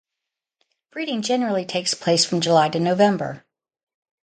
Breeding generally takes place from July to November.